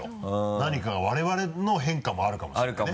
何か我々の変化もあるかもしれないね。